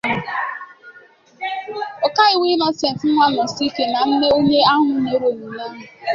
Ọkaiwu Innocent Nwanosike nà nne onye ahụ nyere onyinye ahụ